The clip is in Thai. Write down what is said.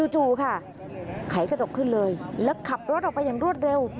จู่ค่ะไขกระจกขึ้นเลยแล้วขับรถออกไปอย่างรวดเร็ว